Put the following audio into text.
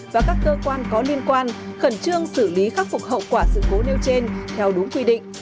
và các cơ quan có liên quan khẩn trương xử lý khắc phục hậu quả sự cố nêu trên theo đúng quy định